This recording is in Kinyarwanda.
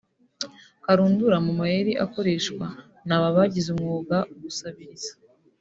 Karundura mu mayeri akoreshwa n’aba bagize umwuga gusabiriza